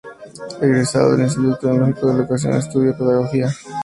Egresado del Instituto Tecnológico de la Educación, estudia Pedagogía Infantil y Comunicación.